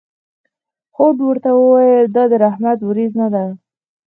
هود ورته وویل: دا د رحمت ورېځ نه ده.